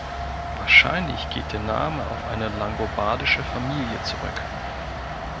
Wahrscheinlich geht der Name auf eine langobardische Familie zurück.